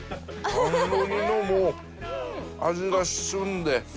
甘露煮のもう味がしゅんで。